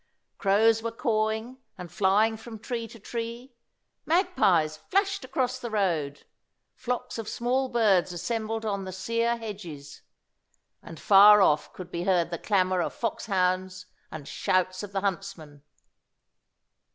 Crows were cawing, and flying from tree to tree; magpies flashed across the road; flocks of small birds assembled on the sear hedges. And far off could be heard the clamour of foxhounds and shouts of the huntsmen.